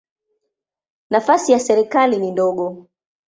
Nafasi ya serikali ni ndogo.